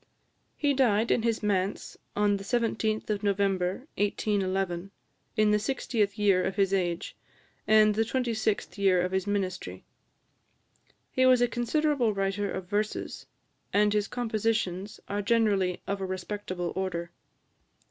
He died in his manse, on the 17th of November 1811, in the 60th year of his age, and the 26th year of his ministry. He was a considerable writer of verses, and his compositions are generally of a respectable order.